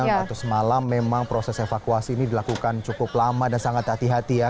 jam atau semalam memang proses evakuasi ini dilakukan cukup lama dan sangat hati hati ya